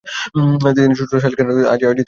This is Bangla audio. ছোট শালীর নাম জানিত না, আজই শ্বশুরের মুখে শুনিয়াছে।